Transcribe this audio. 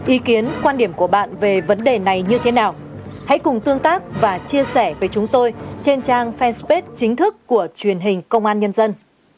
ý kiến quan điểm của bạn về vấn đề này như thế nào hãy cùng tương tác và chia sẻ với chúng tôi trên trang fanpage chính thức của truyền hình công an nhân dân